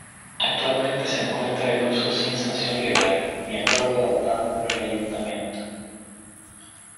Actualmente se encuentra en uso sin sanción legal, ni acuerdo adoptado por el ayuntamiento.